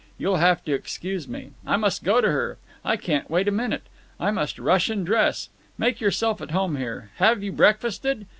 You'll have to excuse me. I must go to her. I can't wait a minute. I must rush and dress. Make yourself at home here. Have you breakfasted?